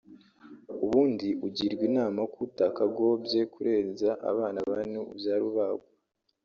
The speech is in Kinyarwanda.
ubundi ugirwa inama ko utakagobye kurenza abana bane ubyara ubagwa